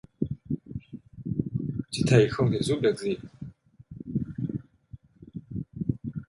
Chứ thầy không thể giúp được gì